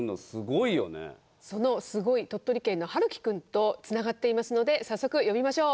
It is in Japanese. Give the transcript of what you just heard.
そのすごい鳥取県のはるきくんとつながっていますので早速呼びましょう。